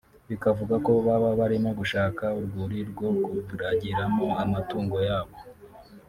bikavugwa ko baba barimo gushaka urwuri rwo kuragiramo amatungo yabo